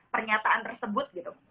pernyataan tersebut gitu